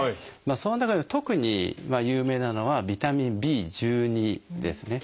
その中で特に有名なのはビタミンＢですね。